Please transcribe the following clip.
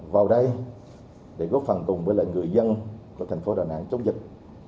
vào đây để góp phần cùng với người dân của thành phố đà nẵng chống dịch